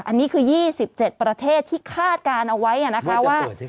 อันนี้คือ๒๗ประเทศที่คาดการณ์เอาไว้นะคะว่า